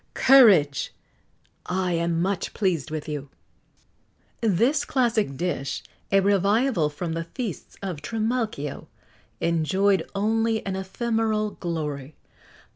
Courage! I am much pleased with you." This classic dish a revival from the feasts of Trimalcio enjoyed only an ephemeral glory.